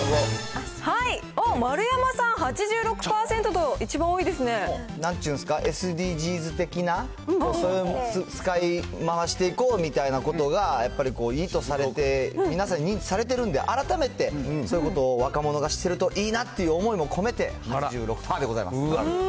おっ、丸山さん８６％と、一なんちゅうんですか、ＳＤＧｓ的な、それを使いまわしていこうみたいなことが、やっぱりいいとされて、皆さんに認知されているんで、改めてそういうことを若者がしてるといいなっていう思いも込めて８６パーでございます。